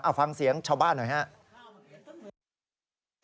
เอาฟังเสียงชาวบ้านหน่อยครับ